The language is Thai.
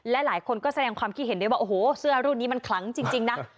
และหลายคนก็แสดงความคิดเห็นได้ว่าโอ้โหเสื้อรุ่นนี้มันคลังจริงนะ